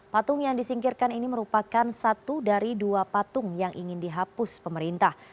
patung yang disingkirkan ini merupakan satu dari dua patung yang ingin dihapus pemerintah